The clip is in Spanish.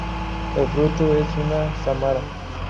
El fruto es una samara.